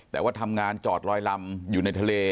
แต่ว่าทำงานจอดลอยลำอยู่ในทะเล